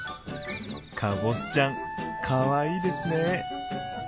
かぼすちゃんかわいいですね！